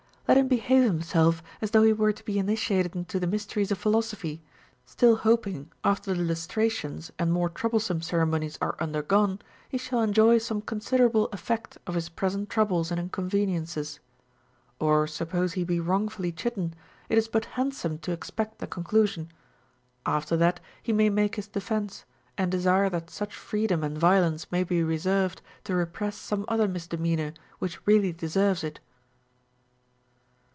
Let him behave himself as though he were to be initiated into the mysteries of philosophy, still hoping, after the lustrations and more tiOublesome ceremonies are undergone, he shall enjoy some considerable effect of his present troubles and incouA^n iences. Or suppose he be wrongfully chidden, it is but handsome to expect the conclusion ; after that he may make his defence, and desire that such freedom and Λdo lence may be reserved to repress some other misdemeanor which really deserves it.